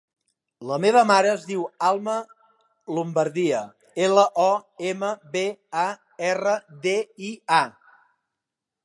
La meva mare es diu Alma Lombardia: ela, o, ema, be, a, erra, de, i, a.